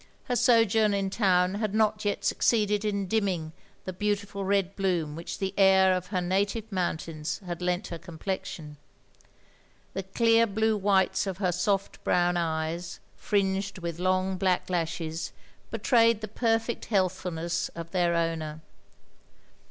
Her sojotim in town had not yet succeeded in dim ming the beautiful red bloom which the air of her native motmtains had lent her complexion. The clear blue whites of her soft brown eyes, fringed with long black lashes, betrayed the perfect healthfulness of their owner.